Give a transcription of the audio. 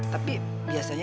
tapi biasa banget